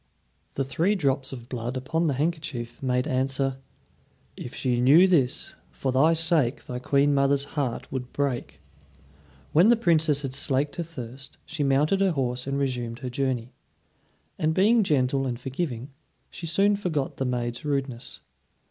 The three drops of blood upon the handkerchief made answer: "If she knew this, for thy sake Thy queen mother's heart would break." When the Princess had slaked her thirst, she mounted her horse and resumed her journey, and being gentle and forgiving, she soon forgot the maid's rudeness.